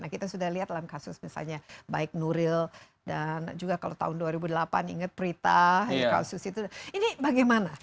kita sudah lihat dalam kasus misalnya baik nuril dan juga kalau tahun dua ribu delapan ingat prita kasus itu ini bagaimana